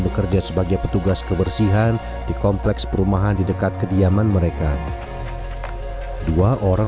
bekerja sebagai petugas kebersihan di kompleks perumahan di dekat kediaman mereka dua orang